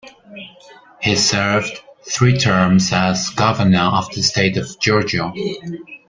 He served three terms as Governor of the state of Georgia.